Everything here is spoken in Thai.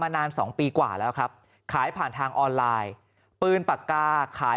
นานสองปีกว่าแล้วครับขายผ่านทางออนไลน์ปืนปากกาขาย